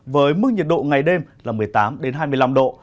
với mức nhiệt độ ngày đêm là một mươi tám hai mươi năm độ